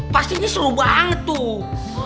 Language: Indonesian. pastinya seru banget tuh